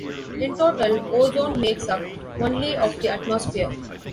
In total, ozone makes up only of the atmosphere.